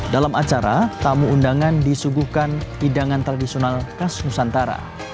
dalam acara tamu undangan disuguhkan hidangan tradisional khas nusantara